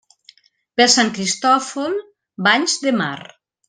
Per Sant Cristòfol, banys de mar.